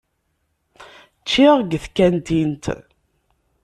Ččiɣ deg tkantint.